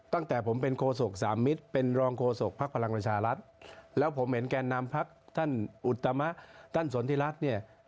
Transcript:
แต่ผมเห็นแก่นนามพักน์ท่านอุตะมะท่านสนธิรัตน์